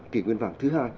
kỷ nguyên vàng thứ hai